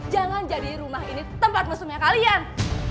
jangan jadi rumah ini tempat mesumnya kalian